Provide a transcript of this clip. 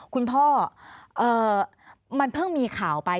คุณพ่อมันเพิ่งมีข่าวไป